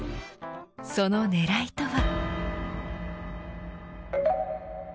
その狙いとは。